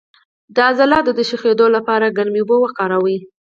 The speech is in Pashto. د عضلاتو د شخیدو لپاره ګرمې اوبه وکاروئ